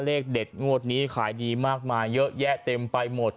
เลขเด็ดงวดนี้ขายดีมากมายเยอะแยะเต็มไปหมด